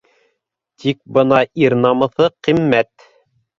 Тик бына ир намыҫы ҡиммәт.